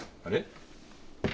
あれ？